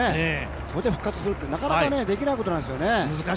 それで復活するって、なかなかできないことなんですよね。